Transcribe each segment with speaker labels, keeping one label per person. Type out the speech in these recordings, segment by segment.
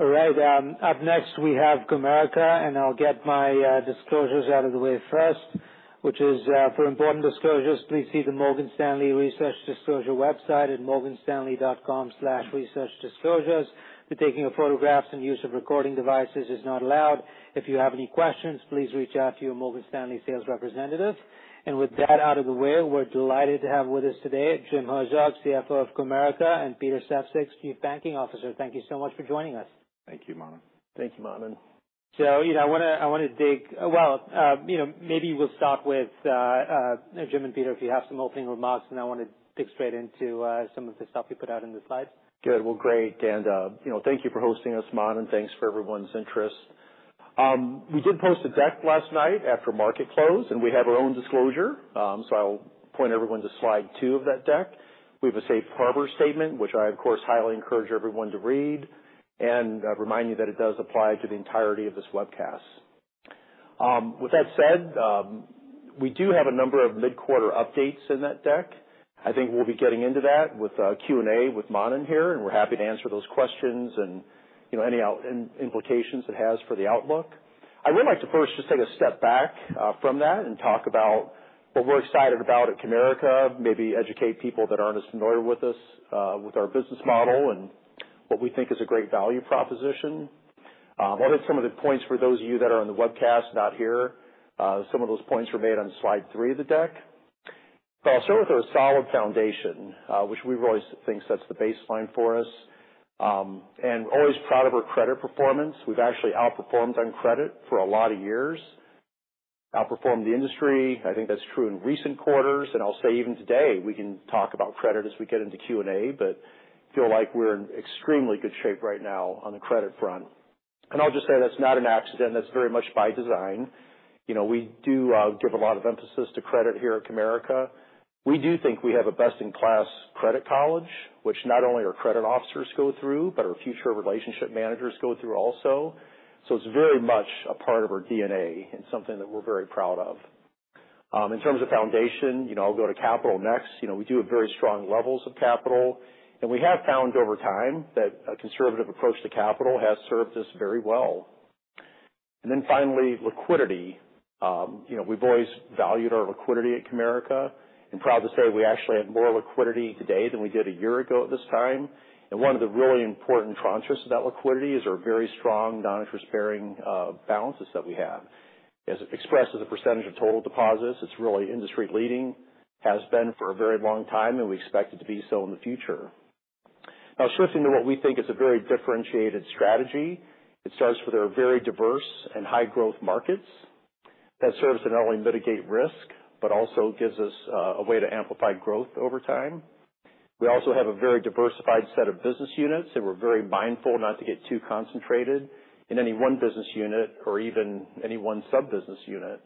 Speaker 1: All right, up next, we have Comerica, and I'll get my disclosures out of the way first, which is for important disclosures, please see the Morgan Stanley Research Disclosure website at morganstanley.com/researchdisclosures. The taking of photographs and use of recording devices is not allowed. If you have any questions, please reach out to your Morgan Stanley sales representative. And with that out of the way, we're delighted to have with us today Jim Herzog, CFO of Comerica, and Peter Sefzik, Chief Banking Officer. Thank you so much for joining us.
Speaker 2: Thank you, Manan.
Speaker 3: Thank you, Manan.
Speaker 1: So, you know, well, you know, maybe we'll start with Jim and Peter, if you have some opening remarks, and I want to dig straight into some of the stuff you put out in the slides.
Speaker 2: Good. Well, great. And, you know, thank you for hosting us, Manan, and thanks for everyone's interest. We did post a deck last night after market close, and we have our own disclosure, so I'll point everyone to slide two of that deck. We have a safe harbor statement, which I, of course, highly encourage everyone to read, and I remind you that it does apply to the entirety of this webcast. With that said, we do have a number of mid-quarter updates in that deck. I think we'll be getting into that with Q&A with Manan here, and we're happy to answer those questions and, you know, any out- any implications it has for the outlook. I would like to first just take a step back from that and talk about what we're excited about at Comerica, maybe educate people that aren't as familiar with us with our business model and what we think is a great value proposition. What are some of the points for those of you that are on the webcast, not here? Some of those points were made on slide three of the deck. But I'll start with our solid foundation, which we've always think sets the baseline for us, and always proud of our credit performance. We've actually outperformed on credit for a lot of years, outperformed the industry. I think that's true in recent quarters, and I'll say even today, we can talk about credit as we get into Q&A, but feel like we're in extremely good shape right now on the credit front. And I'll just say that's not an accident. That's very much by design. You know, we do give a lot of emphasis to credit here at Comerica. We do think we have a best-in-class credit culture, which not only our credit officers go through, but our future relationship managers go through also. So it's very much a part of our DNA and something that we're very proud of. In terms of foundation, you know, I'll go to capital next. You know, we do have very strong levels of capital, and we have found over time that a conservative approach to capital has served us very well. And then finally, liquidity. You know, we've always valued our liquidity at Comerica and proud to say we actually have more liquidity today than we did a year ago at this time. One of the really important contrasts about liquidity is our very strong non-interest-bearing balances that we have. As expressed as a percentage of total deposits, it's really industry leading, has been for a very long time, and we expect it to be so in the future. Now, shifting to what we think is a very differentiated strategy, it starts with our very diverse and high growth markets. That serves to not only mitigate risk, but also gives us a way to amplify growth over time. We also have a very diversified set of business units, and we're very mindful not to get too concentrated in any one business unit or even any one sub-business unit.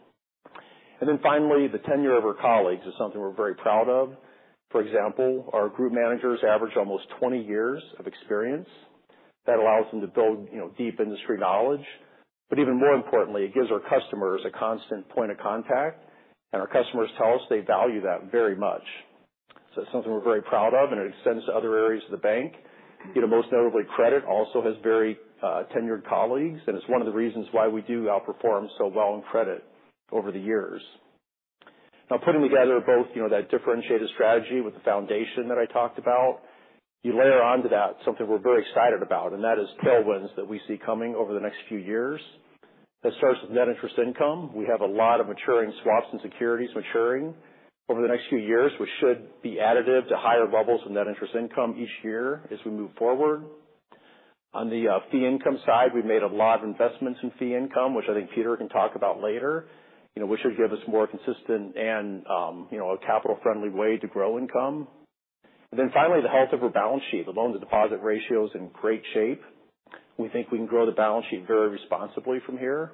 Speaker 2: And then finally, the tenure of our colleagues is something we're very proud of. For example, our group managers average almost 20 years of experience. That allows them to build, you know, deep industry knowledge. But even more importantly, it gives our customers a constant point of contact, and our customers tell us they value that very much. So it's something we're very proud of, and it extends to other areas of the bank. You know, most notably, credit also has very, tenured colleagues, and it's one of the reasons why we do outperform so well in credit over the years. Now, putting together both, you know, that differentiated strategy with the foundation that I talked about, you layer onto that something we're very excited about, and that is tailwinds that we see coming over the next few years. That starts with net interest income. We have a lot of maturing swaps and securities maturing over the next few years, which should be additive to higher levels of net interest income each year as we move forward. On the fee income side, we've made a lot of investments in fee income, which I think Peter can talk about later. You know, which should give us more consistent and, you know, a capital-friendly way to grow income. And then finally, the health of our balance sheet. The loan-to-deposit ratio is in great shape. We think we can grow the balance sheet very responsibly from here,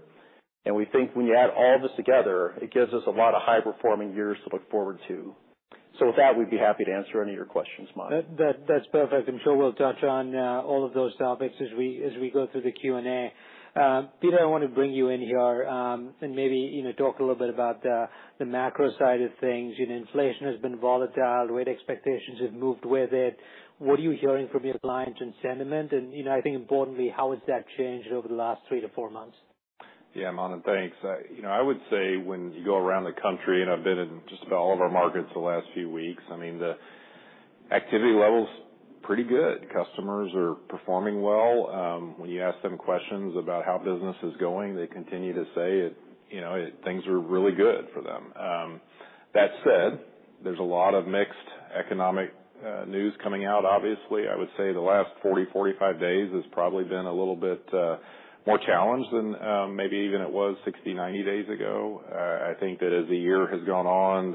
Speaker 2: and we think when you add all this together, it gives us a lot of high-performing years to look forward to. So with that, we'd be happy to answer any of your questions, Manan.
Speaker 1: That, that's perfect. I'm sure we'll touch on all of those topics as we, as we go through the Q&A. Peter, I want to bring you in here, and maybe, you know, talk a little bit about the, the macro side of things. You know, inflation has been volatile, rate expectations have moved with it. What are you hearing from your clients and sentiment? And, you know, I think importantly, how has that changed over the last 3-4 months?
Speaker 3: Yeah, Manan, thanks. You know, I would say when you go around the country, and I've been in just about all of our markets the last few weeks, I mean, the activity level's pretty good. Customers are performing well. When you ask them questions about how business is going, they continue to say it, you know, things are really good for them. That said, there's a lot of mixed economic news coming out, obviously. I would say the last 40-45 days has probably been a little bit more challenged than maybe even it was 60-90 days ago. I think that as the year has gone on,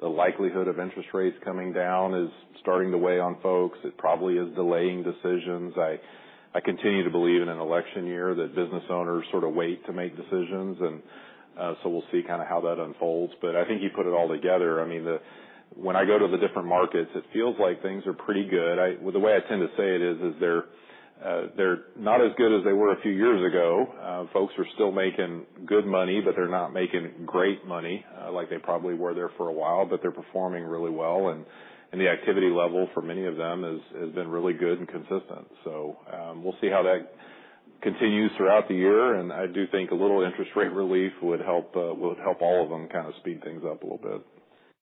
Speaker 3: the likelihood of interest rates coming down is starting to weigh on folks. It probably is delaying decisions. I continue to believe in an election year that business owners sort of wait to make decisions, and so we'll see kind of how that unfolds. But I think you put it all together. I mean, when I go to the different markets, it feels like things are pretty good. Well, the way I tend to say it is they're not as good as they were a few years ago. Folks are still making good money, but they're not making great money, like they probably were there for a while, but they're performing really well, and the activity level for many of them has been really good and consistent. So, we'll see how that.. Continues throughout the year, and I do think a little interest rate relief would help, would help all of them kind of speed things up a little bit.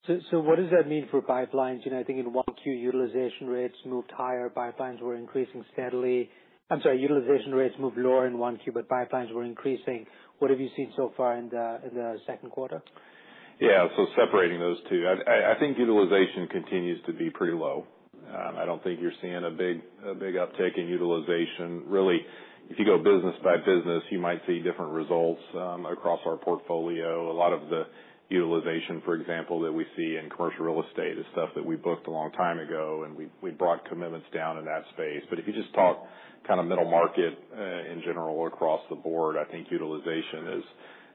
Speaker 1: So, what does that mean for pipelines? You know, I think in 1Q, utilization rates moved higher, pipelines were increasing steadily. I'm sorry, utilization rates moved lower in 1Q, but pipelines were increasing. What have you seen so far in the Q2?
Speaker 3: Yeah, so separating those two, I think utilization continues to be pretty low. I don't think you're seeing a big uptick in utilization. Really, if you go business by business, you might see different results across our portfolio. A lot of the utilization, for example, that we see in commercial real estate, is stuff that we booked a long time ago, and we brought commitments down in that space. But if you just talk kind of middle market in general, across the board, I think utilization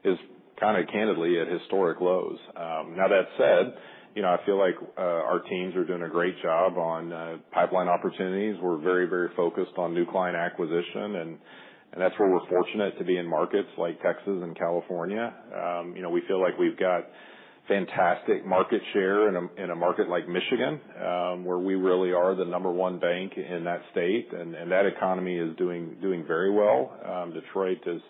Speaker 3: is kind of candidly at historic lows. Now that said, you know, I feel like our teams are doing a great job on pipeline opportunities. We're very, very focused on new client acquisition, and that's where we're fortunate to be in markets like Texas and California. You know, we feel like we've got fantastic market share in a market like Michigan, where we really are the number one bank in that state, and that economy is doing very well. Detroit is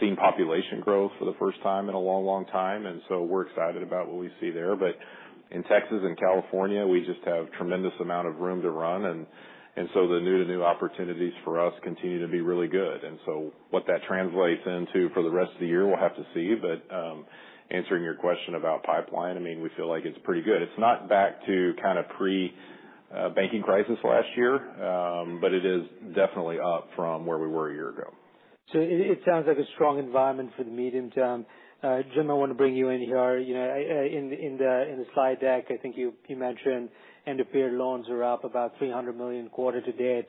Speaker 3: seeing population growth for the first time in a long, long time, and so we're excited about what we see there. But in Texas and California, we just have tremendous amount of room to run. And so the new to new opportunities for us continue to be really good. And so what that translates into for the rest of the year, we'll have to see. But, answering your question about pipeline, I mean, we feel like it's pretty good. It's not back to kind of pre-banking crisis last year, but it is definitely up from where we were a year ago.
Speaker 1: So it sounds like a strong environment for the medium term. Jim, I want to bring you in here. You know, in the slide deck, I think you mentioned end-of-period loans are up about 300 million quarter to date.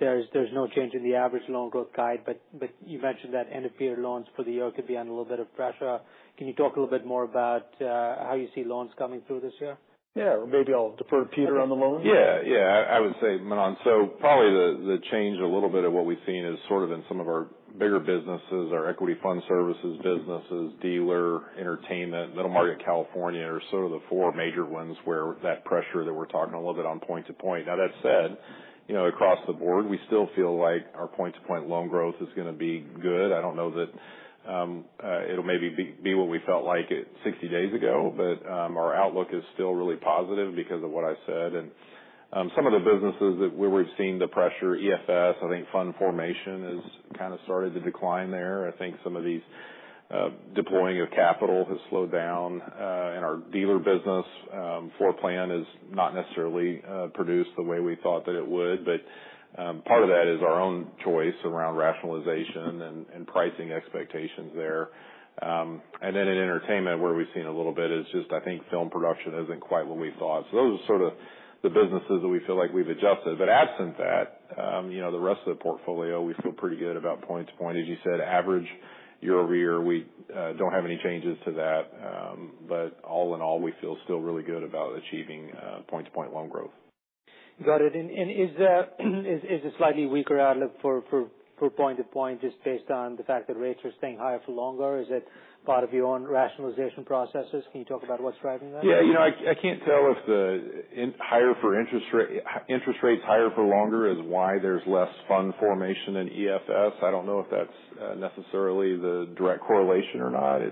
Speaker 1: There's no change in the average loan growth guide, but you mentioned that end-of-period loans for the year could be under a little bit of pressure. Can you talk a little bit more about how you see loans coming through this year?
Speaker 2: Yeah. Maybe I'll defer to Peter on the loans.
Speaker 3: Yeah. Yeah. I would say, Manan, so probably the change, a little bit of what we've seen is sort of in some of our bigger businesses, our Equity Fund Services businesses, dealer, entertainment, middle market California, are sort of the four major ones where that pressure that we're talking a little bit on point-to-point. Now, that said, you know, across the board, we still feel like our point-to-point loan growth is going to be good. I don't know that, it'll maybe be what we felt like it 60 days ago, but, our outlook is still really positive because of what I said. And, some of the businesses that where we've seen the pressure, EFS, I think fund formation has kind of started to decline there. I think some of these deploying of capital has slowed down and our dealer business floor plan is not necessarily produced the way we thought that it would. But part of that is our own choice around rationalization and pricing expectations there. And then in entertainment, where we've seen a little bit, is just I think film production isn't quite what we thought. So those are sort of the businesses that we feel like we've adjusted. But absent that, you know, the rest of the portfolio, we feel pretty good about point-to-point. As you said, average year-over-year, we don't have any changes to that. But all in all, we feel still really good about achieving point-to-point loan growth.
Speaker 1: Got it. And is a slightly weaker outlook for point-to-point just based on the fact that rates are staying higher for longer? Is it part of your own rationalization processes? Can you talk about what's driving that?
Speaker 3: Yeah, you know, I, I can't tell if the higher for interest rates higher for longer is why there's less fund formation in EFS. I don't know if that's necessarily the direct correlation or not.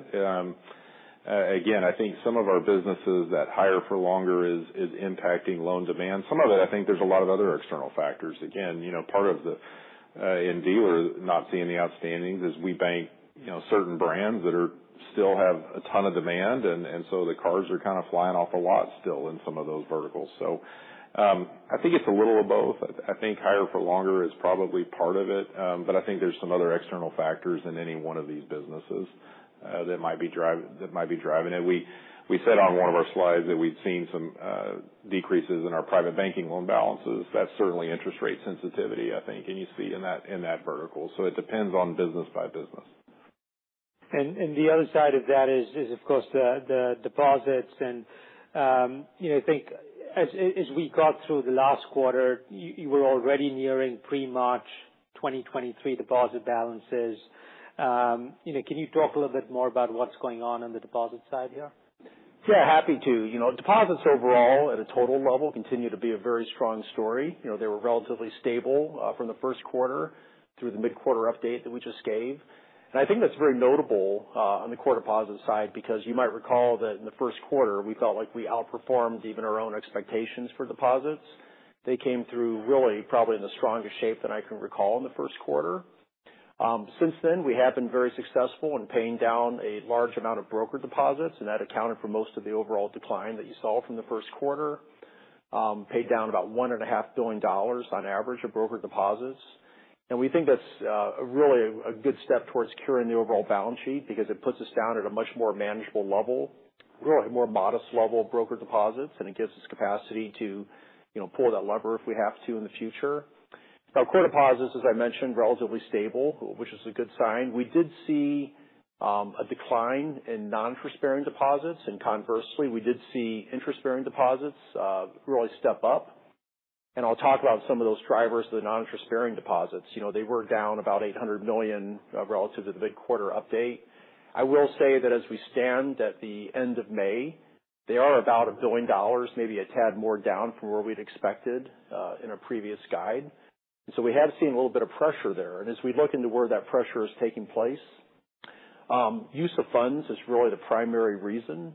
Speaker 3: Again, I think some of our businesses that higher for longer is impacting loan demand. Some of it, I think there's a lot of other external factors. Again, you know, part of the in dealer not seeing the outstandings is we bank, you know, certain brands that are ... still have a ton of demand, and so the cars are kind of flying off the lot still in some of those verticals. So, I think it's a little of both. I, I think higher for longer is probably part of it. But I think there's some other external factors in any one of these businesses that might be driving it. We, we said on one of our slides that we've seen some decreases in our private banking loan balances. That's certainly interest rate sensitivity, I think, and you see in that, in that vertical. So it depends on business by business.
Speaker 1: The other side of that is, of course, the deposits. You know, I think as we got through the last quarter, you were already nearing pre-March 2023 deposit balances. You know, can you talk a little bit more about what's going on on the deposit side here?
Speaker 2: Yeah, happy to. You know, deposits overall, at a total level, continue to be a very strong story. You know, they were relatively stable from the Q1 through the mid-quarter update that we just gave. And I think that's very notable on the core deposit side, because you might recall that in the Q1, we felt like we outperformed even our own expectations for deposits. They came through really, probably in the strongest shape than I can recall in the Q1. Since then, we have been very successful in paying down a large amount of brokered deposits, and that accounted for most of the overall decline that you saw from the Q1. Paid down about 1.5 billion dollars on average of brokered deposits. And we think that's really a good step towards securing the overall balance sheet because it puts us down at a much more manageable level, really more modest level of brokered deposits, and it gives us capacity to, you know, pull that lever if we have to in the future. Now, core deposits, as I mentioned, relatively stable, which is a good sign. We did see a decline in non-interest-bearing deposits, and conversely, we did see interest-bearing deposits really step up. And I'll talk about some of those drivers of the non-interest-bearing deposits. You know, they were down about 800 million relative to the big quarter update. I will say that as we stand at the end of May they are about 1 billion dollars, maybe a tad more down from where we'd expected in our previous guide. So we have seen a little bit of pressure there. As we look into where that pressure is taking place, use of funds is really the primary reason,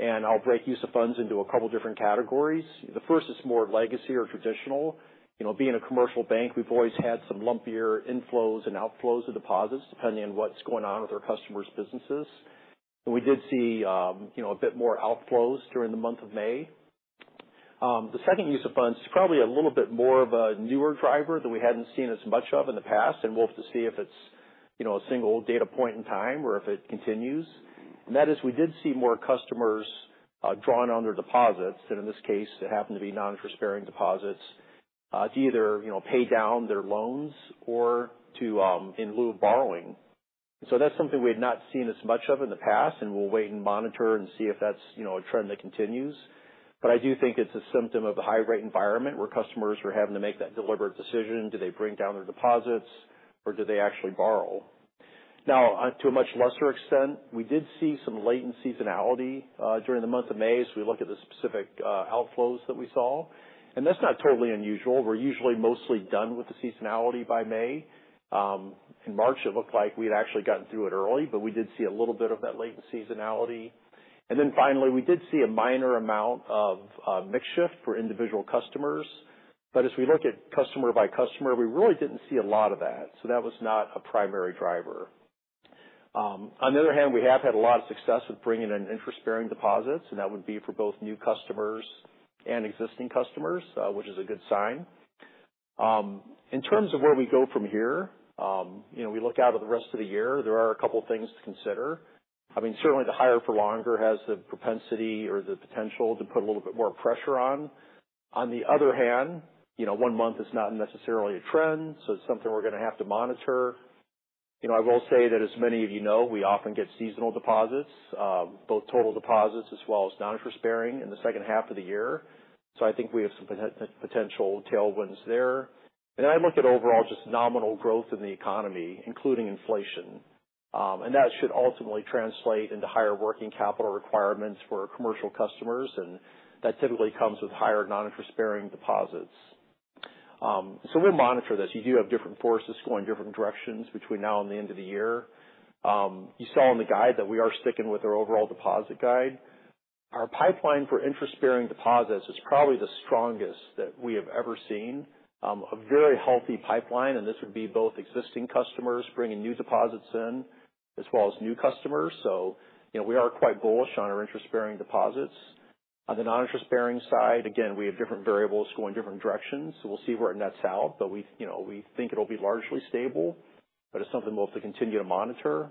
Speaker 2: and I'll break use of funds into a couple of different categories. The first is more legacy or traditional. You know, being a commercial bank, we've always had some lumpier inflows and outflows of deposits, depending on what's going on with our customers' businesses. We did see, you know, a bit more outflows during the month of May. The second use of funds is probably a little bit more of a newer driver that we hadn't seen as much of in the past, and we'll have to see if it's, you know, a single data point in time or if it continues. And that is, we did see more customers drawing on their deposits, and in this case, they happen to be non-interest-bearing deposits to either, you know, pay down their loans or to in lieu of borrowing. So that's something we had not seen as much of in the past, and we'll wait and monitor and see if that's, you know, a trend that continues. But I do think it's a symptom of the high rate environment, where customers are having to make that deliberate decision. Do they bring down their deposits or do they actually borrow? Now, to a much lesser extent, we did see some latent seasonality during the month of May as we look at the specific outflows that we saw, and that's not totally unusual. We're usually mostly done with the seasonality by May. In March, it looked like we had actually gotten through it early, but we did see a little bit of that latent seasonality. Then finally, we did see a minor amount of mix shift for individual customers. But as we look at customer by customer, we really didn't see a lot of that, so that was not a primary driver. On the other hand, we have had a lot of success with bringing in interest-bearing deposits, and that would be for both new customers and existing customers, which is a good sign. In terms of where we go from here, you know, we look out at the rest of the year, there are a couple of things to consider. I mean, certainly the higher for longer has the propensity or the potential to put a little bit more pressure on. On the other hand, you know, one month is not necessarily a trend, so it's something we're going to have to monitor. You know, I will say that as many of you know, we often get seasonal deposits, both total deposits as well as non-interest-bearing in the H2 of the year. So I think we have some potential tailwinds there. And I look at overall just nominal growth in the economy, including inflation. And that should ultimately translate into higher working capital requirements for our commercial customers, and that typically comes with higher non-interest-bearing deposits. So we'll monitor this. You do have different forces going different directions between now and the end of the year. You saw in the guide that we are sticking with our overall deposit guide. Our pipeline for interest bearing deposits is probably the strongest that we have ever seen. A very healthy pipeline, and this would be both existing customers bringing new deposits in as well as new customers. So you know, we are quite bullish on our interest bearing deposits. On the non-interest-bearing side, again, we have different variables going different directions, so we'll see where it nets out. But we, you know, we think it'll be largely stable, but it's something we'll have to continue to monitor.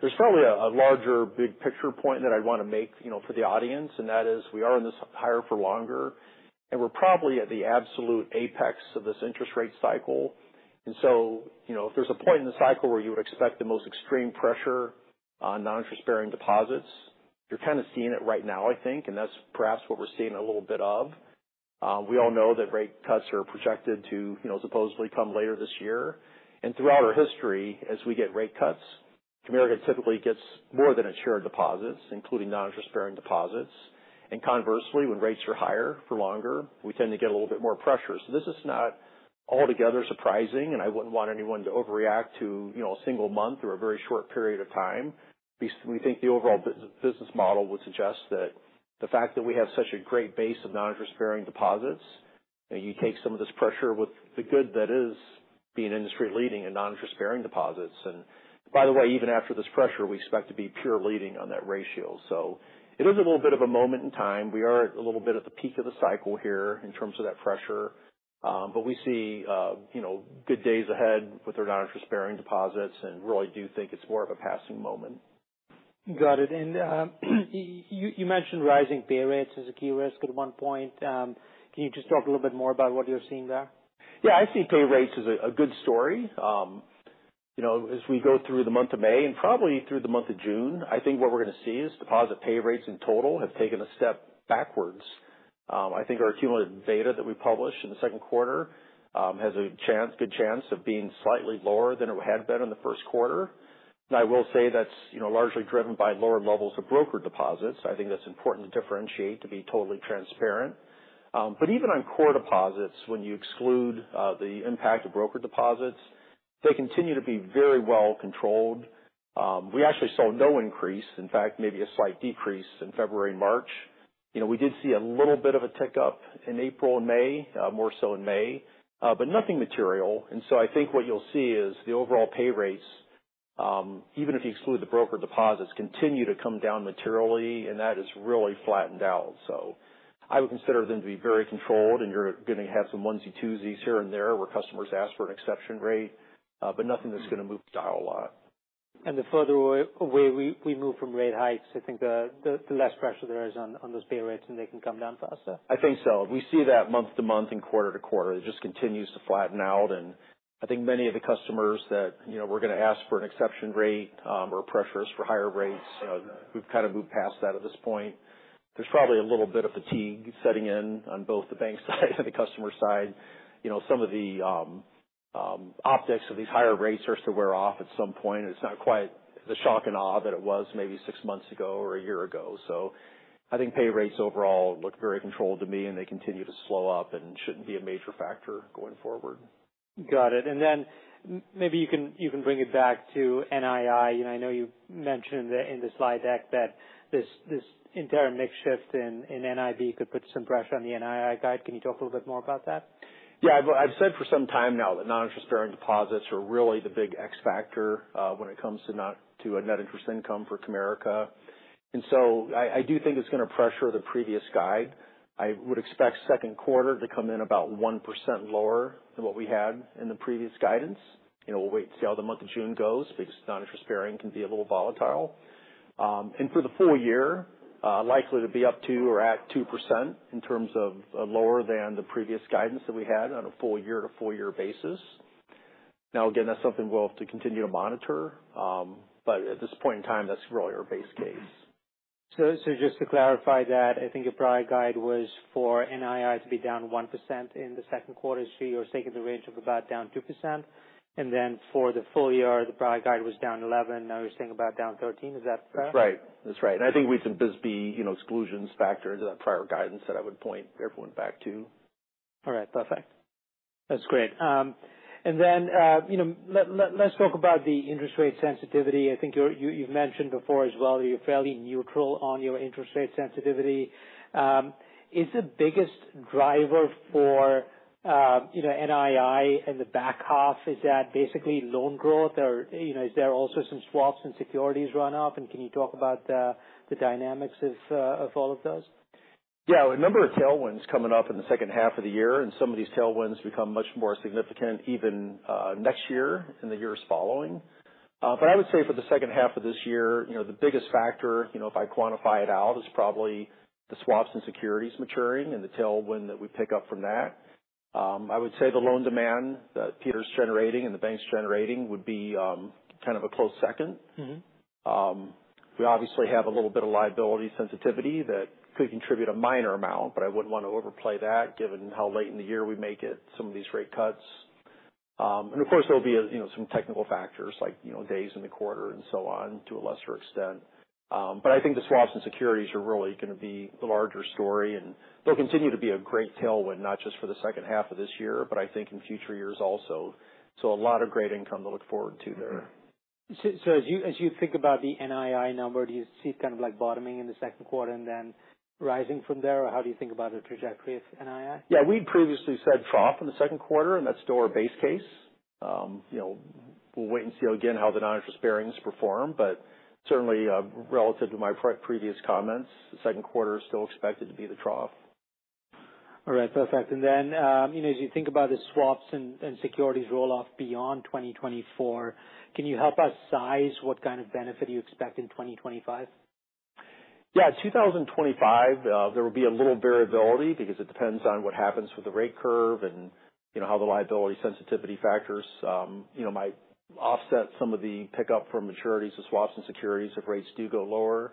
Speaker 2: There's probably a larger big picture point that I'd want to make, you know, for the audience, and that is we are in this higher for longer, and we're probably at the absolute apex of this interest rate cycle. And so, you know, if there's a point in the cycle where you would expect the most extreme pressure on non-interest-bearing deposits, you're kind of seeing it right now, I think, and that's perhaps what we're seeing a little bit of. We all know that rate cuts are projected to, you know, supposedly come later this year. And throughout our history, as we get rate cuts, Comerica typically gets more than its shared deposits, including non-interest-bearing deposits. And conversely, when rates are higher for longer, we tend to get a little bit more pressure. So this is not altogether surprising, and I wouldn't want anyone to overreact to, you know, a single month or a very short period of time. We think the overall business model would suggest that the fact that we have such a great base of non-interest-bearing deposits, and you take some of this pressure with the good that is being industry leading in non-interest-bearing deposits. And by the way, even after this pressure, we expect to be peer leading on that ratio. So it is a little bit of a moment in time. We are a little bit at the peak of the cycle here in terms of that pressure. But we see, you know, good days ahead with our non-interest-bearing deposits and really do think it's more of a passing moment.
Speaker 1: Got it. And, you mentioned rising pay rates as a key risk at one point. Can you just talk a little bit more about what you're seeing there?
Speaker 2: Yeah, I see pay rates as a good story. You know, as we go through the month of May and probably through the month of June, I think what we're going to see is deposit pay rates in total have taken a step backwards. I think our cumulative data that we published in the Q2 has a chance, good chance of being slightly lower than it had been in the Q1. And I will say that's, you know, largely driven by lower levels of brokered deposits. I think that's important to differentiate, to be totally transparent. But even on core deposits, when you exclude the impact of brokered deposits, they continue to be very well controlled. We actually saw no increase, in fact, maybe a slight decrease in February and March. You know, we did see a little bit of a tick up in April and May, more so in May, but nothing material. And so I think what you'll see is the overall pay rates, even if you exclude the brokered deposits, continue to come down materially, and that is really flattened out. So I would consider them to be very controlled, and you're going to have some onesie-twosies here and there, where customers ask for an exception rate, but nothing that's going to move the dial a lot.
Speaker 1: The further away we move from rate hikes, I think the less pressure there is on those pay rates, and they can come down faster.
Speaker 2: I think so. We see that month-to-month and quarter-to-quarter. It just continues to flatten out. And I think many of the customers that, you know, we're going to ask for an exception rate, or pressure us for higher rates, we've kind of moved past that at this point. There's probably a little bit of fatigue setting in on both the bank side and the customer side. You know, some of the optics of these higher rates starts to wear off at some point. It's not quite the shock and awe that it was maybe six months ago or a year ago. So I think pay rates overall look very controlled to me, and they continue to slow up and shouldn't be a major factor going forward.
Speaker 1: Got it. And then maybe you can, you can bring it back to NII. I know you mentioned in the slide deck that this, this entire mix shift in, in NIB could put some pressure on the NII guide. Can you talk a little bit more about that?
Speaker 2: Yeah, I've said for some time now that non-interest-bearing deposits are really the big X factor when it comes to net interest income for Comerica. And so I do think it's going to pressure the previous guide. I would expect Q2 to come in about 1% lower than what we had in the previous guidance. You know, we'll wait to see how the month of June goes, because non-interest-bearing can be a little volatile. And for the full year, likely to be up to or at 2% in terms of lower than the previous guidance that we had on a full year to full year basis. Now, again, that's something we'll have to continue to monitor, but at this point in time, that's really our base case.
Speaker 1: So, so just to clarify that, I think your prior guide was for NII to be down 1% in the Q2. So you're thinking the range of about down 2%. And then for the full year, the prior guide was down 11%, now you're saying about down 13%. Is that correct?
Speaker 2: That's right. That's right. And I think we think this'll be, you know, exclusions factor into that prior guidance that I would point everyone back to.
Speaker 1: All right. Perfect. That's great. And then, you know, let's talk about the interest rate sensitivity. I think you've mentioned before as well, you're fairly neutral on your interest rate sensitivity. Is the biggest driver for, you know, NII in the back half, is that basically loan growth? Or, you know, is there also some swaps and securities run up? And can you talk about the dynamics of all of those?
Speaker 2: Yeah. A number of tailwinds coming up in the H2 of the year, and some of these tailwinds become much more significant even, next year in the years following. But I would say for the H2 of this year, you know, the biggest factor, you know, if I quantify it out, is probably the swaps and securities maturing and the tailwind that we pick up from that. I would say the loan demand that Peter's generating and the bank's generating would be, kind of a close second.
Speaker 1: Mm-hmm.
Speaker 2: We obviously have a little bit of liability sensitivity that could contribute a minor amount, but I wouldn't want to overplay that, given how late in the year we may get some of these rate cuts. And of course, there'll be, you know, some technical factors like, you know, days in the quarter and so on, to a lesser extent. But I think the swaps and securities are really going to be the larger story, and they'll continue to be a great tailwind, not just for the H2 of this year, but I think in future years also. So a lot of great income to look forward to there.
Speaker 1: So, as you think about the NII number, do you see it kind of like bottoming in the Q2 and then rising from there? Or how do you think about the trajectory of NII?
Speaker 2: Yeah, we previously said trough in the Q2, and that's still our base case. You know, we'll wait and see again, how the non-interest-bearing perform, but certainly, relative to my previous comments, the Q2 is still expected to be the trough.
Speaker 1: All right. Perfect. And then, you know, as you think about the swaps and securities roll off beyond 2024, can you help us size what kind of benefit you expect in 2025?
Speaker 2: Yeah, 2025, there will be a little variability because it depends on what happens with the rate curve and, you know, how the liability sensitivity factors, you know, might offset some of the pickup from maturities of swaps and securities if rates do go lower.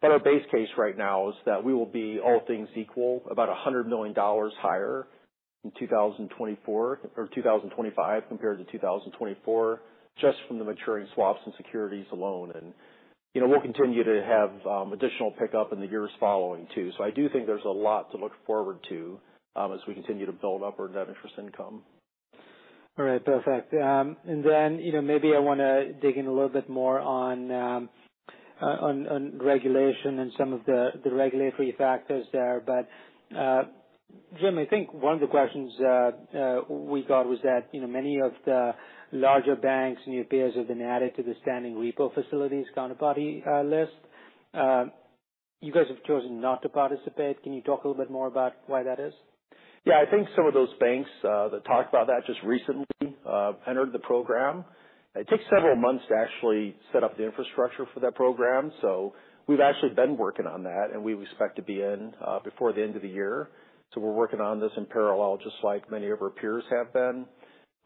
Speaker 2: But our base case right now is that we will be, all things equal, about 100 million dollars higher in 2024 or 2025 compared to 2024, just from the maturing swaps and securities alone. And, you know, we'll continue to have additional pickup in the years following, too. So I do think there's a lot to look forward to, as we continue to build up our net interest income.
Speaker 1: All right. Perfect. And then, you know, maybe I want to dig in a little bit more on regulation and some of the regulatory factors there. But, Jim, I think one of the questions we got was that, you know, many of the larger banks, new peers, have been added to the standing repo facilities counterparty list. You guys have chosen not to participate. Can you talk a little bit more about why that is?
Speaker 2: Yeah, I think some of those banks that talked about that just recently entered the program. It takes several months to actually set up the infrastructure for that program. So we've actually been working on that, and we expect to be in before the end of the year. So we're working on this in parallel, just like many of our peers have been.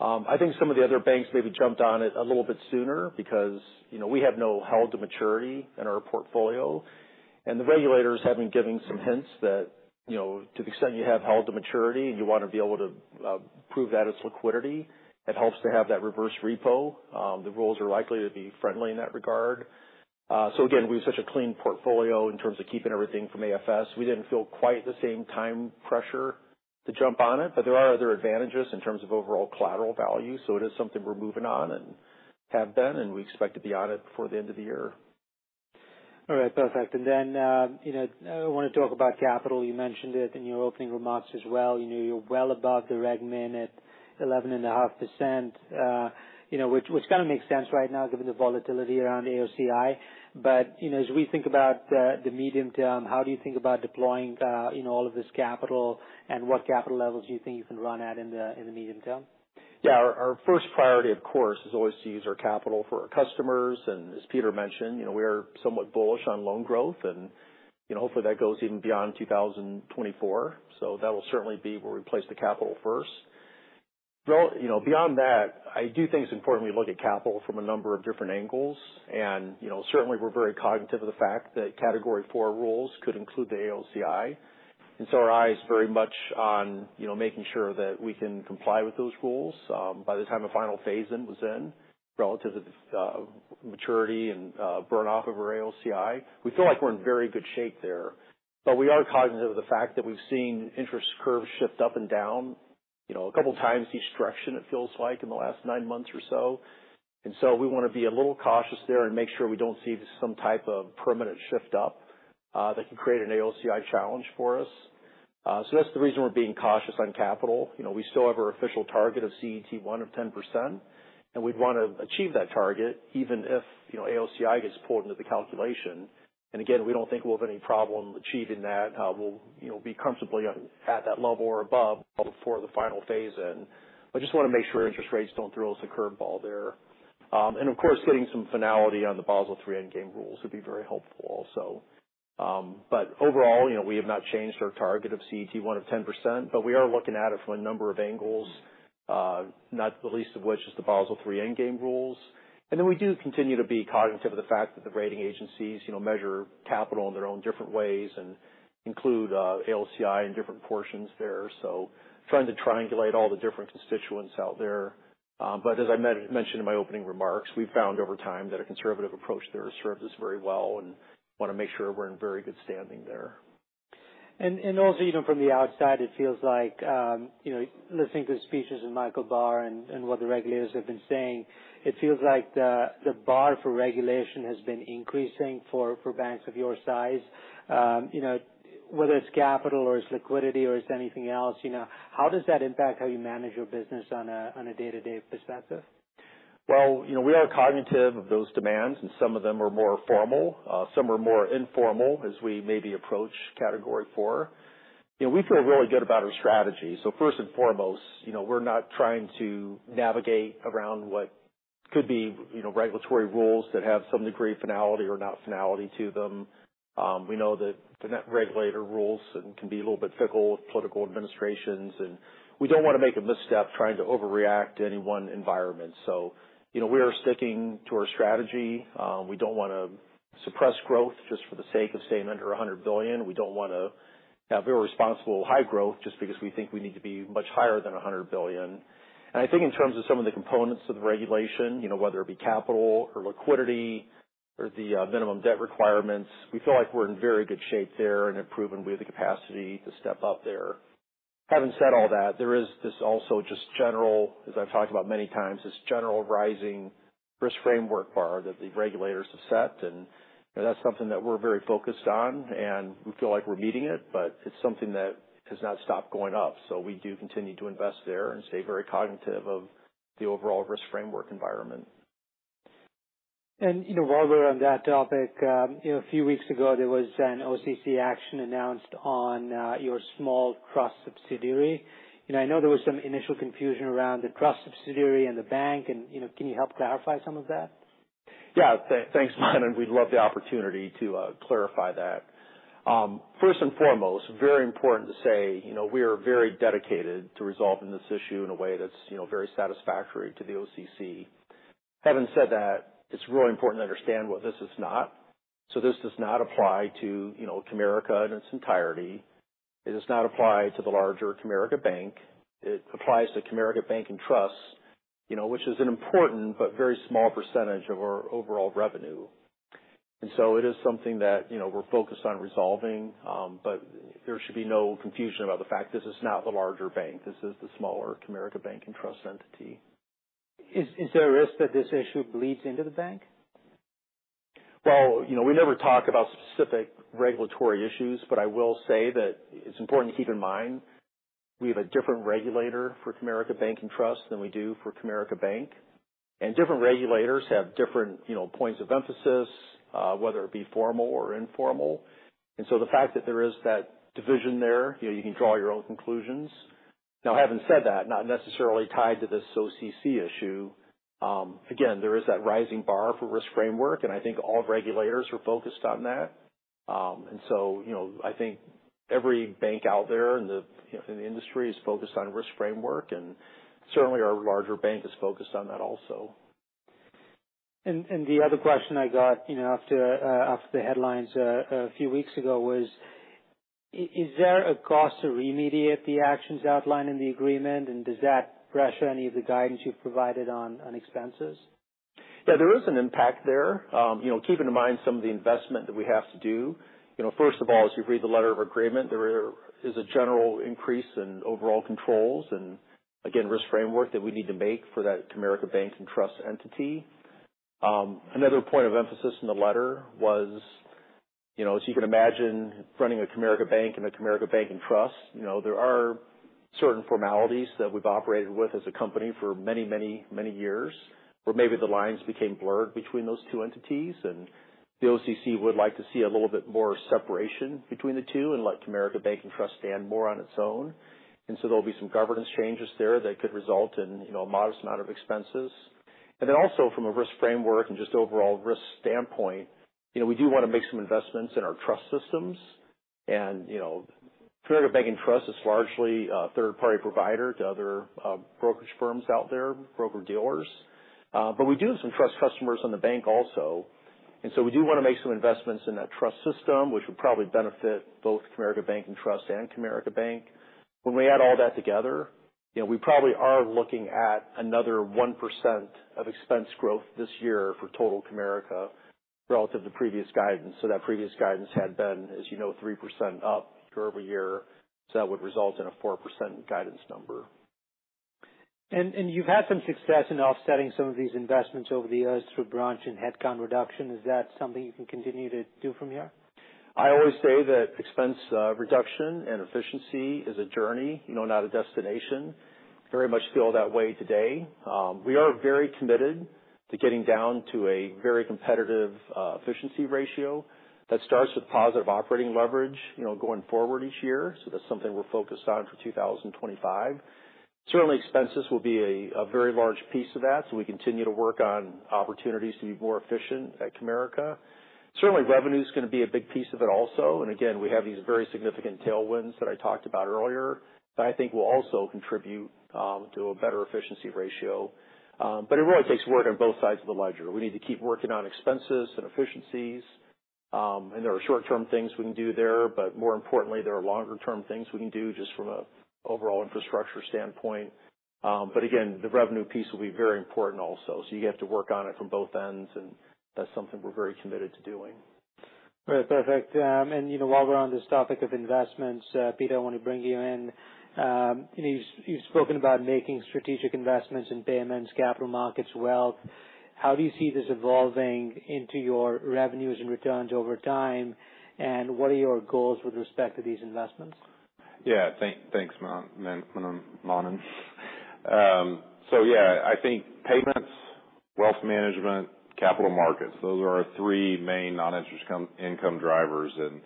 Speaker 2: I think some of the other banks maybe jumped on it a little bit sooner because, you know, we have no held-to-maturity in our portfolio, and the regulators have been giving some hints that, you know, to the extent you have held-to-maturity and you want to be able to prove that it's liquidity, it helps to have that reverse repo. The rules are likely to be friendly in that regard. So again, we have such a clean portfolio in terms of keeping everything from AFS. We didn't feel quite the same time pressure to jump on it, but there are other advantages in terms of overall collateral value. So it is something we're moving on and have been, and we expect to be on it before the end of the year.
Speaker 1: All right. Perfect. And then, you know, I want to talk about capital. You mentioned it in your opening remarks as well. You know, you're well above the reg min at 11.5%, you know, which, which kind of makes sense right now given the volatility around AOCI. But, you know, as we think about, the medium term, how do you think about deploying, you know, all of this capital? And what capital levels do you think you can run at in the, in the medium term?
Speaker 2: Yeah. Our, our first priority, of course, is always to use our capital for our customers. And as Peter mentioned, you know, we are somewhat bullish on loan growth and, you know, hopefully, that goes even beyond 2024. So that will certainly be where we place the capital first. Well, you know, beyond that, I do think it's important we look at capital from a number of different angles. And, you know, certainly we're very cognizant of the fact that Category IV rules could include the AOCI. And so our eye is very much on, you know, making sure that we can comply with those rules by the time the final phase-in was in, relative to the maturity and burn-off of our AOCI. We feel like we're in very good shape there, but we are cognizant of the fact that we've seen interest curves shift up and down, you know, a couple of times each direction it feels like in the last nine months or so. So we want to be a little cautious there and make sure we don't see some type of permanent shift up that can create an AOCI challenge for us. So that's the reason we're being cautious on capital. You know, we still have our official target of CET1 of 10%, and we'd want to achieve that target even if, you know, AOCI gets pulled into the calculation. And again, we don't think we'll have any problem achieving that. We'll, you know, be comfortably at that level or above before the final phase in. I just want to make sure interest rates don't throw us a curve ball there. Of course, getting some finality on the Basel III Endgame rules would be very helpful also. Overall, you know, we have not changed our target of CET1 of 10%, but we are looking at it from a number of angles, not the least of which is the Basel III Endgame rules. Then we do continue to be cognizant of the fact that the rating agencies, you know, measure capital in their own different ways and include AOCI in different portions there. So trying to triangulate all the different constituents out there. But as I mentioned in my opening remarks, we've found over time that a conservative approach there serves us very well, and want to make sure we're in very good standing there.
Speaker 1: And also, you know, from the outside, it feels like, you know, listening to speeches in Michael Barr and what the regulators have been saying, it feels like the bar for regulation has been increasing for banks of your size. You know, whether it's capital or it's liquidity or it's anything else, you know, how does that impact how you manage your business on a day-to-day perspective?
Speaker 2: Well, you know, we are cognizant of those demands, and some of them are more formal, some are more informal as we maybe approach Category IV. You know, we feel really good about our strategy. So first and foremost, you know, we're not trying to navigate around what could be, you know, regulatory rules that have some degree of finality or not finality to them. We know that the new regulatory rules can be a little bit fickle with political administrations, and we don't want to make a misstep trying to overreact to any one environment. So, you know, we are sticking to our strategy. We don't want to suppress growth just for the sake of staying under 100 billion. We don't want to have irresponsible high growth just because we think we need to be much higher than 100 billion. I think in terms of some of the components of the regulation, you know, whether it be capital or liquidity or the minimum debt requirements, we feel like we're in very good shape there and have proven we have the capacity to step up there. Having said all that, there is this also just general, as I've talked about many times, this general rising risk framework bar that the regulators have set, and that's something that we're very focused on and we feel like we're meeting it, but it's something that has not stopped going up. So we do continue to invest there and stay very cognitive of the overall risk framework environment.
Speaker 1: You know, while we're on that topic, you know, a few weeks ago, there was an OCC action announced on your small trust subsidiary. And I know there was some initial confusion around the trust subsidiary and the bank, and, you know, can you help clarify some of that?
Speaker 2: Yeah, thanks, Manan, and we'd love the opportunity to clarify that. First and foremost, very important to say, you know, we are very dedicated to resolving this issue in a way that's, you know, very satisfactory to the OCC. Having said that, it's really important to understand what this is not. So this does not apply to, you know, Comerica in its entirety. It does not apply to the larger Comerica Bank. It applies to Comerica Bank & Trust, you know, which is an important but very small percentage of our overall revenue. And so it is something that, you know, we're focused on resolving, but there should be no confusion about the fact this is not the larger bank. This is the smaller Comerica Bank & Trust entity.
Speaker 1: Is there a risk that this issue bleeds into the bank?
Speaker 2: Well, you know, we never talk about specific regulatory issues, but I will say that it's important to keep in mind, we have a different regulator for Comerica Bank & Trust than we do for Comerica Bank. And different regulators have different, you know, points of emphasis, whether it be formal or informal. And so the fact that there is that division there, you know, you can draw your own conclusions. Now, having said that, not necessarily tied to this OCC issue, again, there is that rising bar for risk framework, and I think all regulators are focused on that. And so, you know, I think every bank out there in the, you know, in the industry is focused on risk framework, and certainly our larger bank is focused on that also.
Speaker 1: And the other question I got, you know, after the headlines a few weeks ago was, is there a cost to remediate the actions outlined in the agreement? And does that pressure any of the guidance you've provided on expenses?
Speaker 2: Yeah, there is an impact there. You know, keeping in mind some of the investment that we have to do. You know, first of all, as you read the letter of agreement, there is a general increase in overall controls and again, risk framework that we need to make for that Comerica Bank & Trust entity. Another point of emphasis in the letter was, you know, as you can imagine, running a Comerica Bank and a Comerica Bank & Trust, you know, there are certain formalities that we've operated with as a company for many, many, many years, where maybe the lines became blurred between those two entities, and the OCC would like to see a little bit more separation between the two and let Comerica Bank & Trust stand more on its own. And so there'll be some governance changes there that could result in, you know, a modest amount of expenses. And then also from a risk framework and just overall risk standpoint, you know, we do want to make some investments in our trust systems. And, you know, Comerica Bank & Trust is largely a third-party provider to other brokerage firms out there, broker-dealers. But we do have some trust customers in the bank also. And so we do want to make some investments in that trust system, which would probably benefit both Comerica Bank & Trust and Comerica Bank. When we add all that together, you know, we probably are looking at another 1% of expense growth this year for total Comerica relative to previous guidance. So that previous guidance had been, as you know, 3% up for every year. So that would result in a 4% guidance number.
Speaker 1: And you've had some success in offsetting some of these investments over the years through branch and head count reduction. Is that something you can continue to do from here?
Speaker 2: I always say that expense reduction and efficiency is a journey, you know, not a destination. Very much feel that way today. We are very committed to getting down to a very competitive efficiency ratio that starts with positive operating leverage, you know, going forward each year. So that's something we're focused on for 2025. Certainly, expenses will be a very large piece of that, so we continue to work on opportunities to be more efficient at Comerica. Certainly, revenue is going to be a big piece of it also. And again, we have these very significant tailwinds that I talked about earlier, that I think will also contribute to a better efficiency ratio. But it really takes work on both sides of the ledger. We need to keep working on expenses and efficiencies, and there are short-term things we can do there, but more importantly, there are longer term things we can do just from a overall infrastructure standpoint. But again, the revenue piece will be very important also. So you have to work on it from both ends, and that's something we're very committed to doing.
Speaker 1: Right. Perfect. You know, while we're on this topic of investments, Peter, I want to bring you in. You've spoken about making strategic investments in payments, capital markets, wealth. How do you see this evolving into your revenues and returns over time? And what are your goals with respect to these investments?
Speaker 3: Yeah, thanks, Manan, Manan. So yeah, I think payments, wealth management, capital markets, those are our three main non-interest income drivers. And, in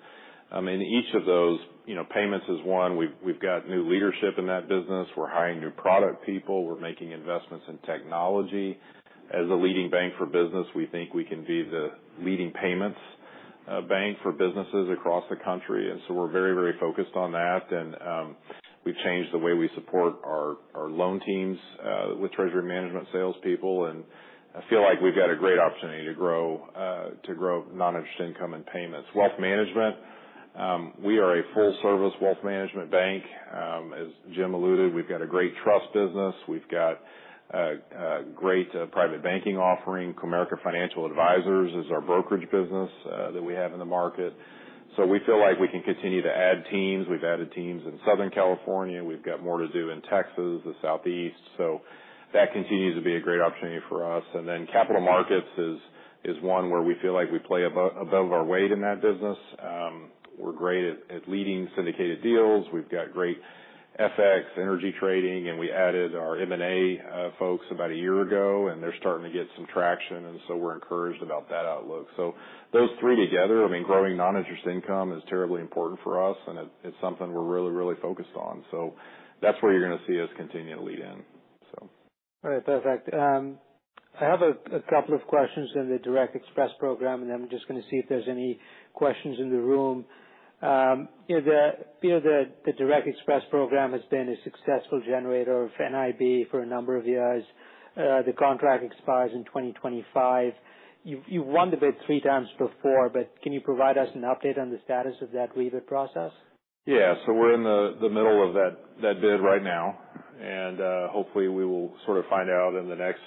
Speaker 3: each of those, you know, payments is one. We've got new leadership in that business. We're hiring new product people. We're making investments in technology. As a leading bank for business, we think we can be the leading payments bank for businesses across the country. And so we're very, very focused on that. And, we've changed the way we support our loan teams with treasury management salespeople, and I feel like we've got a great opportunity to grow non-interest income and payments. Wealth management, we are a full-service wealth management bank. As Jim alluded, we've got a great trust business. We've got a great private banking offering. Comerica Financial Advisors is our brokerage business that we have in the market. So we feel like we can continue to add teams. We've added teams in Southern California. We've got more to do in Texas, the Southeast. So that continues to be a great opportunity for us. And then capital markets is one where we feel like we play above our weight in that business. We're great at leading syndicated deals. We've got great FX, energy trading, and we added our M&A folks about a year ago, and they're starting to get some traction, and so we're encouraged about that outlook. So those three together, I mean, growing non-interest income is terribly important for us, and it's something we're really, really focused on. So that's where you're going to see us continue to lead in, so.
Speaker 1: All right. Perfect. I have a couple of questions in the Direct Express program, and I'm just going to see if there's any questions in the room. You know, the Direct Express program has been a successful generator of NIB for a number of years. The contract expires in 2025. You've won the bid three times before, but can you provide us an update on the status of that rebid process?
Speaker 3: Yeah. So we're in the middle of that bid right now, and hopefully we will sort of find out in the next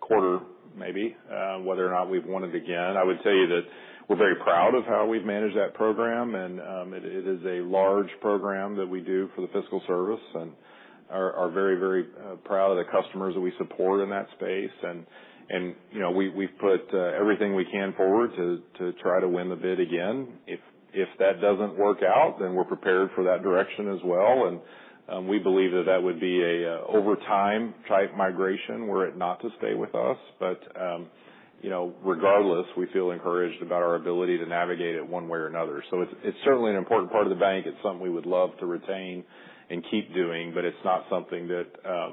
Speaker 3: quarter, maybe, whether or not we've won it again. I would tell you that we're very proud of how we've managed that program, and it is a large program that we do for the Fiscal Service and are very, very proud of the customers that we support in that space. And you know, we've put everything we can forward to try to win the bid again. If that doesn't work out, then we're prepared for that direction as well. And we believe that that would be a over time type migration were it not to stay with us. You know, regardless, we feel encouraged about our ability to navigate it one way or another. So it's certainly an important part of the bank. It's something we would love to retain and keep doing, but it's not something that,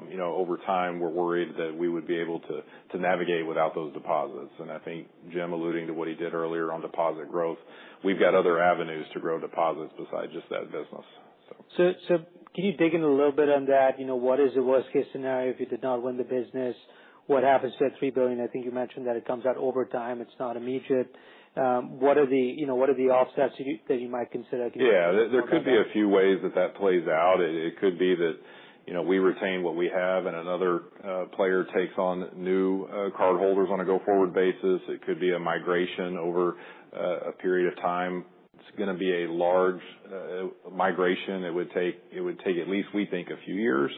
Speaker 3: you know, over time, we're worried that we would be able to to navigate without those deposits. And I think Jim alluding to what he did earlier on deposit growth, we've got other avenues to grow deposits besides just that business, so.
Speaker 1: So, can you dig in a little bit on that? You know, what is the worst case scenario if you did not win the business? What happens to that 3 billion? I think you mentioned that it comes out over time. It's not immediate. You know, what are the offsets that you might consider to-
Speaker 3: Yeah. There could be a few ways that plays out. It could be that, you know, we retain what we have and another player takes on new cardholders on a go-forward basis. It could be a migration over a period of time. It's going to be a large migration. It would take at least we think a few years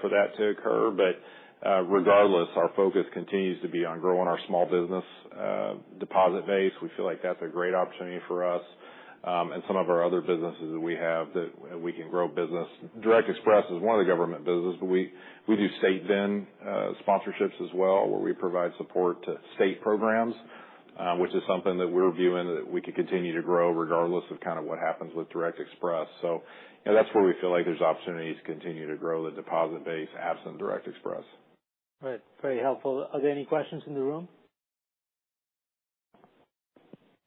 Speaker 3: for that to occur. But regardless, our focus continues to be on growing our small business deposit base. We feel like that's a great opportunity for us and some of our other businesses that we have, and we can grow business. Direct Express is one of the government business, but we do state BIN sponsorships as well, where we provide support to state programs, which is something that we're viewing that we could continue to grow regardless of kind of what happens with Direct Express. So, and that's where we feel like there's opportunities to continue to grow the deposit base, absent Direct Express.
Speaker 1: Right. Very helpful. Are there any questions in the room?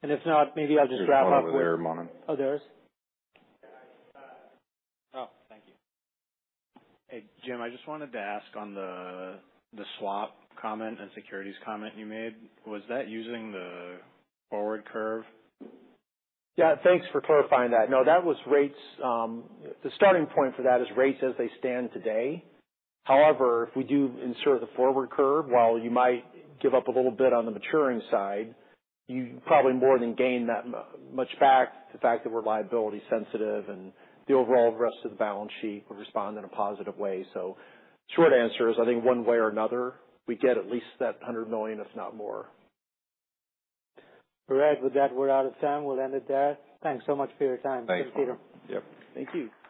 Speaker 1: If not, maybe I'll just wrap up with-
Speaker 3: There's one over there, Manan.
Speaker 1: Oh, there is?
Speaker 4: Oh, thank you. Hey, Jim, I just wanted to ask on the, the swap comment and securities comment you made. Was that using the forward curve?
Speaker 2: Yeah, thanks for clarifying that. No, that was rates. The starting point for that is rates as they stand today. However, if we do insert the forward curve, while you might give up a little bit on the maturing side, you probably more than gain that much back. The fact that we're liability sensitive and the overall rest of the balance sheet will respond in a positive way. So short answer is, I think one way or another, we get at least that 100 million, if not more.
Speaker 1: All right. With that, we're out of time. We'll end it there. Thanks so much for your time.
Speaker 3: Thanks.
Speaker 1: Thanks, Peter.
Speaker 3: Yep.
Speaker 1: Thank you.